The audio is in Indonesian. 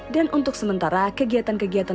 dan untuk sementara kegiatan kegiatan